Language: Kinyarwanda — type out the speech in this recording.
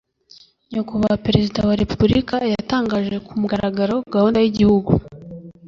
nyakubahwa perezida wa repubulika yatangije ku mugaragaro gahunda y'igihugu